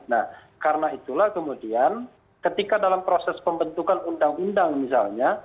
nah karena itulah kemudian ketika dalam proses pembentukan undang undang misalnya